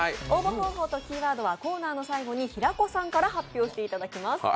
応募方法とキーワードはコーナーの最後に平子さんから発表していただきます。